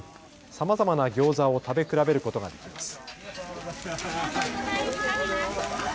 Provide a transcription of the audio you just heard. さまざまなギョーザを食べ比べることができます。